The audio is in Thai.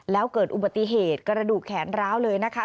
แล้วเกิดอุบัติเหตุกระดูกแขนร้าวเลยนะคะ